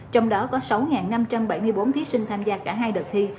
trong đó có sáu năm trăm bảy mươi bốn thí sinh tham gia cả hai đợt thi